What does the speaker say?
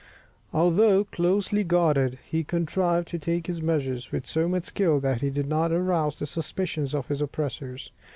Although closely guarded, he contrived to take his measures with so much skill that he did not arouse the suspicions of his oppressors.